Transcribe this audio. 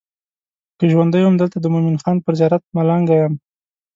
که ژوندی وم دلته د مومن خان پر زیارت ملنګه یم.